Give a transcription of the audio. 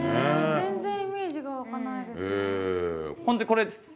全然イメージがわかないです。